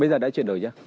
bây giờ đã chuyển đổi chưa